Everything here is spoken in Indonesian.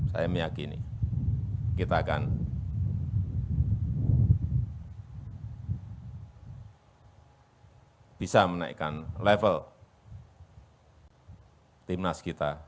saya meyakini kita akan bisa menaikkan level timnas kita